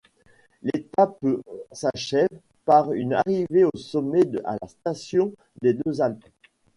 L'étape s'achève par une arrivée au sommet à la station des Deux-Alpes.